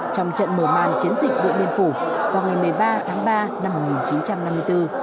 trong trận mở màn chiến dịch điện biên phủ vào ngày một mươi ba tháng ba năm một nghìn chín trăm năm mươi bốn